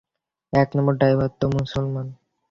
এক number driver তো মুসলমান।